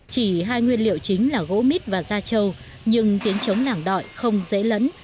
chỉ hai nguyên liệu chính là gỗ mít và da trâu nhưng tiếng trống nàng đọi không dễ lẫn